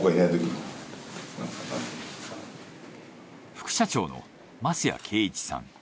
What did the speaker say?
副社長の舛屋圭一さん。